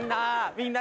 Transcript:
みんな。